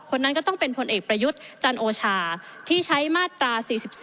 คนนั้นก็ต้องเป็นผลเอกประยุทธ์จันโอชาที่ใช้มาตรา๔๔